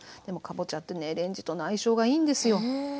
でもかぼちゃってねレンジとの相性がいいんですよ。